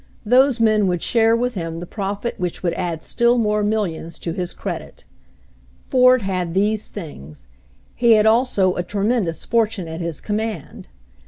Those men would share with him the profit which would add still more millions to his credit. Ford had these things; he had also a tre mendous fortune at his command.